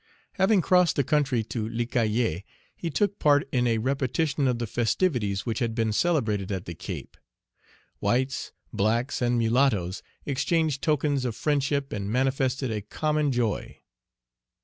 Having crossed the country to Les Cayes, he took part in a repetition of the festivities which had been celebrated at the Cape. Whites, blacks, and mulattoes exchanged tokens of friendship and manifested a common joy.